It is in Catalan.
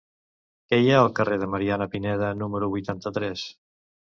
Què hi ha al carrer de Mariana Pineda número vuitanta-tres?